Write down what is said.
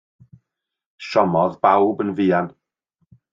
Siomodd bawb yn fuan.